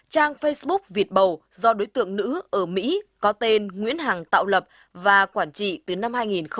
trang facebook việt bầu do đối tượng nữ ở mỹ có tên nguyễn hằng tạo lập và quản trị từ năm hai nghìn một mươi năm